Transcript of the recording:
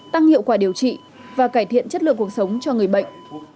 tăng hiệu quả điều trị và cải thiện chất lượng cuộc sống cho người bệnh